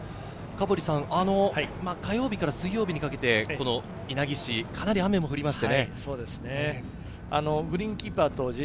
火曜日から水曜日にかけて、稲城市、かなり雨も降りました。